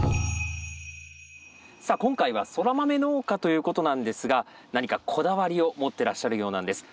さあ今回はソラマメ農家ということなんですが何かこだわりを持ってらっしゃるようなんです。